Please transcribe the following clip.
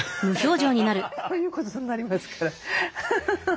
こういうことになりますから。